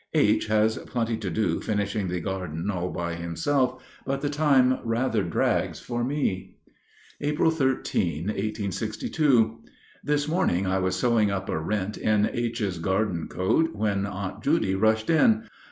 H. has plenty to do finishing the garden all by himself, but the time rather drags for me. April 13, 1862. This morning I was sewing up a rent in H.'s garden coat, when Aunt Judy rushed in.